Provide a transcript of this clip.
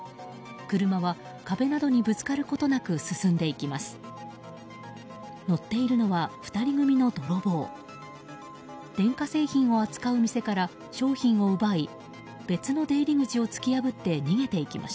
車は壁などにぶつかることなく進んでいきます。